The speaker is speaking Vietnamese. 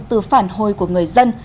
từ phản hồi của người dân